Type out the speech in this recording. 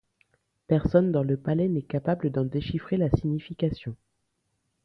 Personne dans le palais n'est capable d'en déchiffrer la signification.